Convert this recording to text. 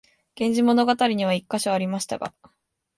「源氏物語」には一カ所ありましたが、